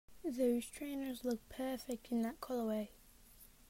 Those trainers look perfect in that colorway!